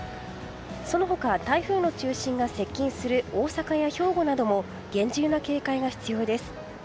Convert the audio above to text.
その他、台風の中心が接近する大阪や兵庫なども厳重な警戒が必要です。